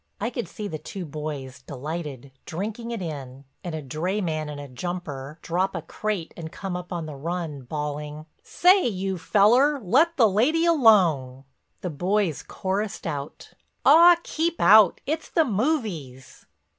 I could see the two boys, delighted, drinking it in, and a dray man in a jumper, drop a crate and come up on the run, bawling: "Say, you feller, let the lady alone," The boys chorused out: "Aw, keep out—it's the movies!"